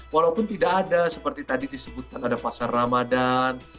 walaupun tidak ada seperti tadi disebutkan ada pasar ramadan